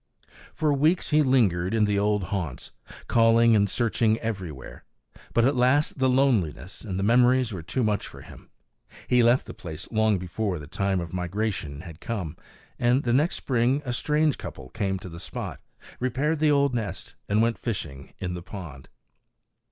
For weeks he lingered in the old haunts, calling and searching everywhere; but at last the loneliness and the memories were too much for him. He left the place long before the time of migration had come; and the next spring a strange couple came to the spot, repaired the old nest, and went fishing in the pond.